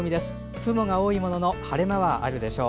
雲が多いものの晴れ間はあるでしょう。